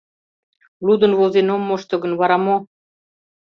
Лудын-возен ом мошто гын, вара мо?